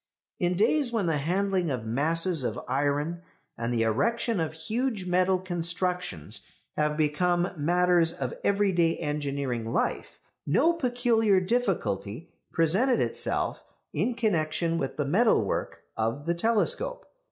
In days when the handling of masses of iron, and the erection of huge metal constructions have become matters of everyday engineering life, no peculiar difficulty presented itself in connection with the metal work of the telescope.